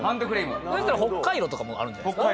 そしたらホッカイロとかもあるんじゃないですか？